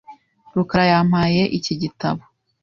rukara yampaye iki gitabo .